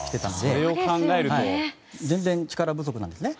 それを考えると全然、力不足なんですね。